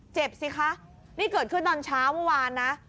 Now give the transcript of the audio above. สิคะนี่เกิดขึ้นตอนเช้าเมื่อวานนะ